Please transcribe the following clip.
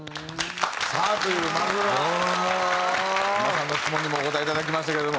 さあというまずは皆さんの質問にもお答えいただきましたけれども。